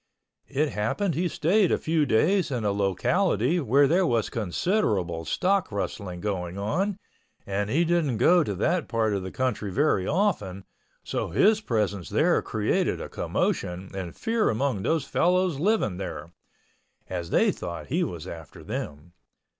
It happened he stayed a few days in a locality where there was considerable stock rustling going on and he didn't go to that part of the country very often, so his presence there created quite a commotion and fear among those fellows living there, as they thought he was after them.